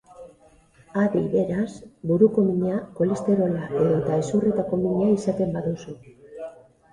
Adi, beraz, buruko mina, kolesterola edota hezurretako mina izaten baduzu.